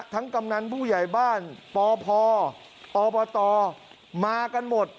ทั้งกำนันผู้ใหญ่บ้านป่อพ่ออวกาศมากันหมด